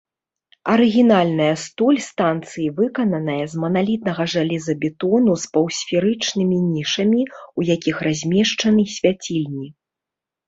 Арыгінальная столь станцыі выкананая з маналітнага жалезабетону з паўсферычным нішамі, у якіх размешчаны свяцільні.